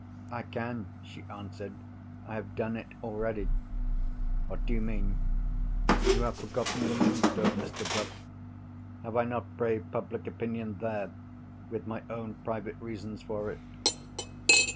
"I can," she answered. "I have done it already." "What do you mean?" "You have forgotten the Moonstone, Mr. Bruff. Have I not braved public opinion, there, with my own private reasons for it?"